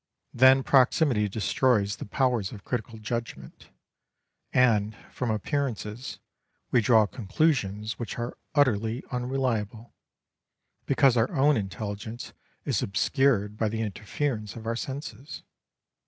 Then proximity destroys the powers of critical judgment, and, from appearances, we draw conclusions which are utterly unreliable, because our own intelligence is obscured by the interference of our senses.